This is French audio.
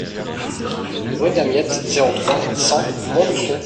Rue Damiette, zéro trois, cent Montluçon